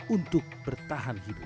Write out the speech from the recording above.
untuk bertahan hidup